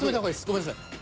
ごめんなさい。